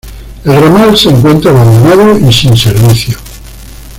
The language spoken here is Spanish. El ramal se encuentra abandonado y sin servicio.